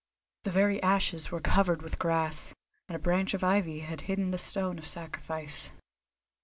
The very ashes were covered with grass, and a branch of ivy had hidden the stone of sacrifice.